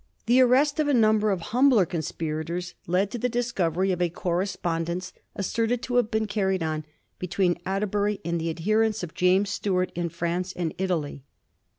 The arrest of a number of humbler conspirators led to the dis covery of a correspondence asserted to have been carried on between Atterbury and the adherents of James Stuart in France and Italy.